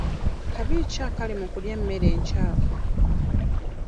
Kabi ki akali mu kulya emmere enkyafu?